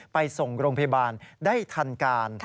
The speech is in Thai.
ไปส่งโรงพยาบาลได้ทันการ